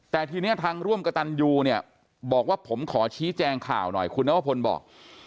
แต่ทีนี้ทางร่วมกระตันยูเนี่ยบอกว่าผมขอชี้แจงข่าวหน่อยคุณนวพลบอก